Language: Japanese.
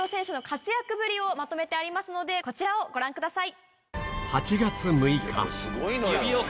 まとめてありますのでこちらをご覧ください。